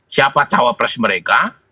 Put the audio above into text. siapa cawa pres mereka